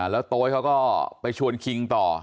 แล้วโต๊ยเขาก็ไปชวนคิงต่อ